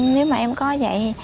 nếu mà em có vậy